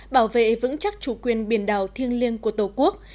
bảo vệ vững chắc chủ quyền biển đảo thiêng liêng của tổ quốc